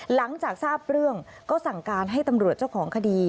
หลังจากทราบเรื่องก็สั่งการให้ตำรวจเจ้าของคดี